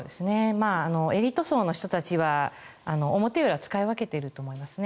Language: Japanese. エリート層の人たちは表裏を使い分けていると思いますね。